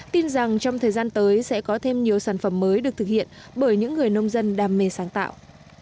tin rằng trong thời gian tới sẽ có thêm nhiều sản phẩm mới được thực hiện bởi những người nông dân đam mê sáng tạo